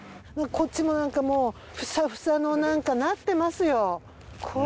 こっちもなんかもうフサフサのなんかなってますよ。